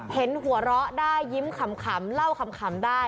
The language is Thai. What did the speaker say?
เห็นหัวเราะได้ยิ้มขำเล่าขำได้